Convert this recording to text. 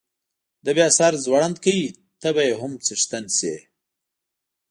ده بیا سر ځوړند کړ، ته به یې هم څښتن شې.